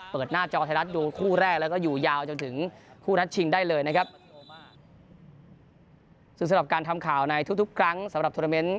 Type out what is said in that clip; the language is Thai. เปิดหน้าจอไทยรัฐดูคู่แรกแล้วก็อยู่ยาวจนถึงคู่นัดชิงได้เลยนะครับซึ่งสำหรับการทำข่าวในทุกทุกครั้งสำหรับโทรเมนต์